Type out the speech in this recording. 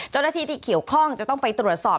เจ้าหน้าที่ที่เกี่ยวข้องจะต้องไปตรวจสอบ